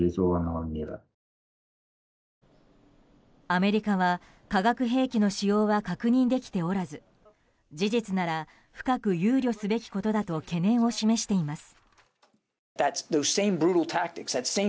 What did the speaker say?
アメリカは化学兵器の使用は確認できておらず事実なら深く憂慮すべきことだと懸念を示しています。